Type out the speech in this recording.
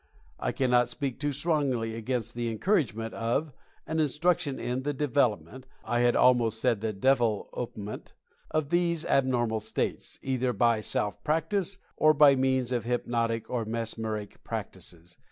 I cannot speak too strongly against the en couragement of, and instruction in, the development (I had almost said the "Devil opment") of these ab normal states, either by self practice or by means of hypnotic or mesmeric practices.